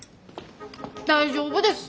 大丈夫です！